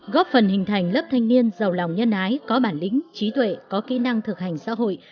góp phần hình thành lớp thanh niên giàu lòng nhân ái có bản lĩnh trí tuệ có kỹ năng thực hành xã hội